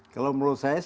kalau menurut saya